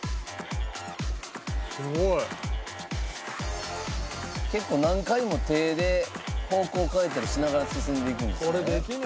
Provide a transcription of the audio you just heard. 「すごい」「結構何回も手で方向変えたりしながら進んでいくんですね」